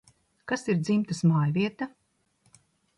Kas ir dzimtas mājvieta?